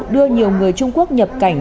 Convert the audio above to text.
đưa nhiều người trung quốc nhập cảnh